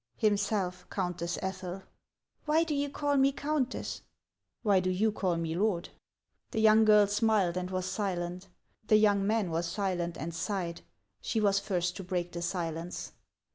" Himself, Countess Ethel." " Why do you call me countess ?"" Why do you call me my lord ?" The young girl smiled, and was silent. The young man was silent, and sighed. She was first to break the silence.